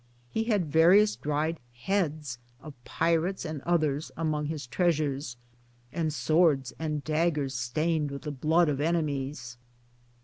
He had various dried heads, of pirates and others, among his treasures ; and swords and daggers stained with the blood of enemies